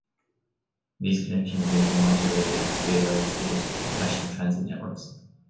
These connections link the Monterey Bay to Bay Area, state, and national transit networks.